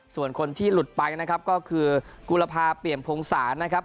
ส่วนคนที่หลุดไปนะครับก็คือกุลภาเปี่ยมพงศาลนะครับ